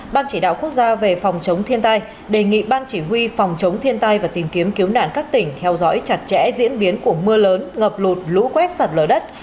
ban chỉ đạo quốc gia về phòng chống thiên tai đề nghị ban chỉ huy phòng chống thiên tai và tìm kiếm cứu nạn các tỉnh theo dõi chặt chẽ diễn biến của mưa lớn ngập lụt lũ quét sạt lở đất